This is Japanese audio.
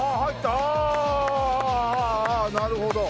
ああなるほど。